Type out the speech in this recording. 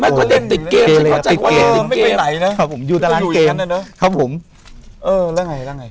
ติดเกมติดเกมครับผมอยู่ในร้านเกมครับผมเออแล้วไงแล้วไง